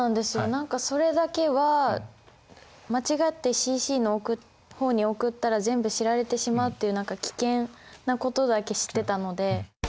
何かそれだけは間違ってＣＣの方に送ったら全部知られてしまうっていう何か危険なことだけ知ってたので。